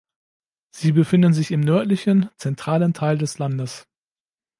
Sie befindet sich im nördlichen, zentralen Teil des Landes.